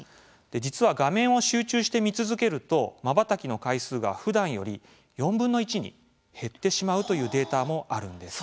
実は画面を集中して見続けるとまばたきの回数が、ふだんより４分の１に減ってしまうというデータもあるんです。